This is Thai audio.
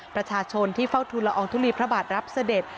ประชาชนที่เฝ้าทุนละอองทุลีพระบาทรับเสด็จ